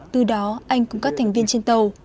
từ đó anh cùng các thành viên trên tàu